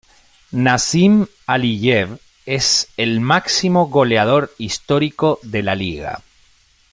Nazim Aliyev es ek máximo goleador histórico de la liga.